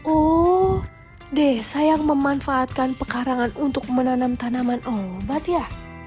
oh desa yang memanfaatkan pekarangan untuk menanam tanaman obat ya